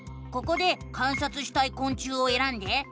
ここで観察したいこん虫をえらんで。